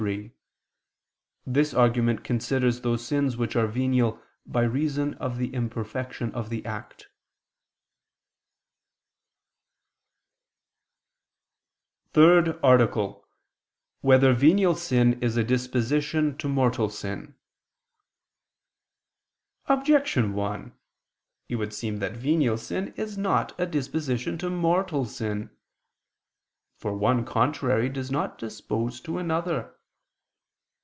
3: This argument considers those sins which are venial by reason of the imperfection of the act. ________________________ THIRD ARTICLE [I II, Q. 88, Art. 3] Whether Venial Sin Is a Disposition to Mortal Sin? Objection 1: It would seem that venial sin is not a disposition to mortal sin. For one contrary does not dispose to another.